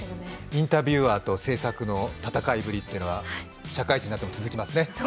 インタビューアーと制作の戦いというのは社会人になっても続きますね。